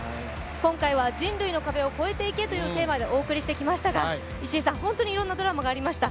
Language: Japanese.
今回は「人類の壁を超えていけ」というテーマでお送りしてきましたが石井さん、本当にいろんなドラマがありました。